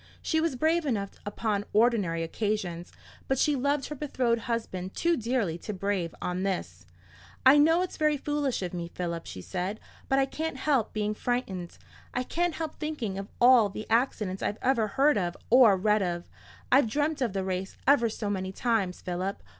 She was brave enough upon ordinary occasions; but she loved her betrothed husband too dearly to be brave on this. "I know it's very foolish of me, Philip," she said, "but I can't help being frightened. I can't help thinking of all the accidents I've ever heard of, or read of. I've dreamt of the race ever so many times, Philip.